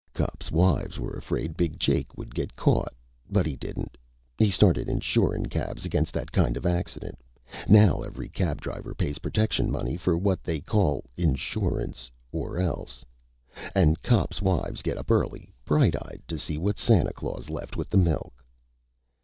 Cops' wives were afraid Big Jake would get caught. But he didn't. He started insurin' cabs against that kinda accident. Now every cab driver pays protection money for what they call insurance or else. An' cops' wives get up early, bright eyed, to see what Santa Claus left with the milk."